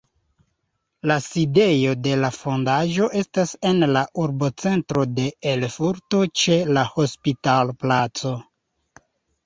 La sidejo de la fondaĵo estas en la urbocentro de Erfurto ĉe la Hospital-placo.